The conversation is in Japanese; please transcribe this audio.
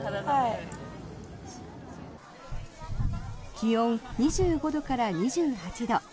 気温２５度から２８度